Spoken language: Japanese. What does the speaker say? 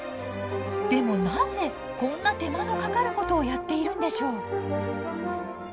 でもなぜこんな手間のかかることをやっているんでしょう。